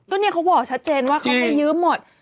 ก็เนี่ยเขาบอกชัดเจนว่าเขาไปยืมหมด